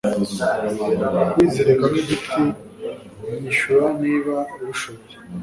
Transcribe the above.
kwizirika nkigiti nyishura niba ubishoboye